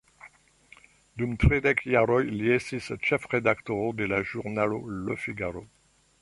Dum tridek jaroj, li estis ĉefredaktoro de la ĵurnalo "Le Figaro".